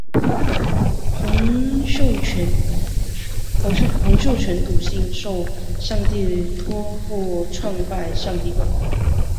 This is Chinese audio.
洪秀全笃信受上帝托负创拜上帝会。